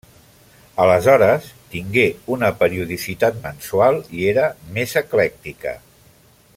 Aleshores, tingué una periodicitat mensual i era més eclèctica.